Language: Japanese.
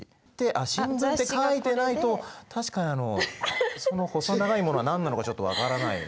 あっ「新聞」って書いてないと確かにその細長いものは何なのかちょっと分からないんでね。